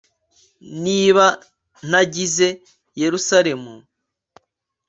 niba ntagize yeruzalemu